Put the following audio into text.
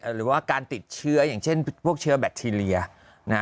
หรือว่าการติดเชื้ออย่างเช่นพวกเชื้อแบคทีเรีย